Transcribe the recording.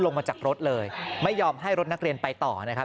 ลงมาจากรถเลยไม่ยอมให้รถนักเรียนไปต่อนะครับ